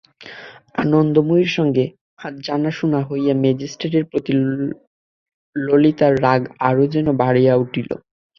আনন্দময়ীর সঙ্গে আজ জানাশুনা হইয়া ম্যাজিস্ট্রেটের প্রতি ললিতার রাগ আরো যেন বাড়িয়া উঠিল।